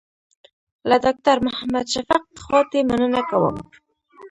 له ډاکټر محمد شفق خواتي مننه کوم.